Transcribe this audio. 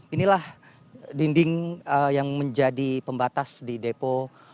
inilah dinding yang menjadi pembatas di depo